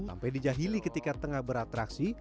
sampai dijahili ketika tengah beratraksi